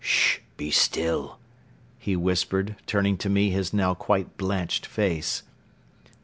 "Sh! Be still," he whispered turning to me his now quite blanched face.